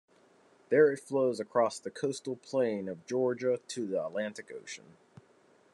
There it flows across the coastal plain of Georgia to the Atlantic Ocean.